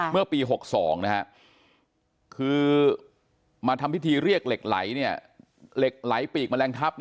เมื่อปี๖๒คือมาทำพิธีเรียกเหล็กไหลเหล็กไหลปีกแมลงทัพ